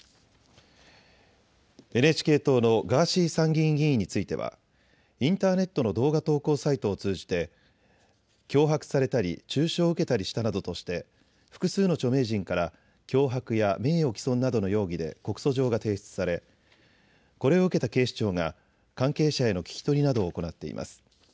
ＮＨＫ党のガーシー参議院議員についてはインターネットの動画投稿サイトを通じて脅迫されたり中傷を受けたりしたなどとして複数の著名人から脅迫や名誉毀損などの容疑で告訴状が提出されこれを受けた警視庁が関係者への聞き取りなどを行っています。